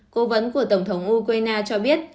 cố vấn của tổng thống ukraine cho biết